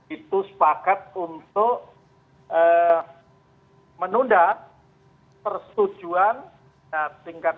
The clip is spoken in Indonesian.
itu sepakat untuk menunda persetujuan tingkat